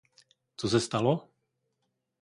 Co se to stalo?